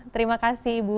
terima kasih ibu